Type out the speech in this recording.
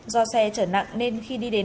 do xe chở nặng nên khi đi đến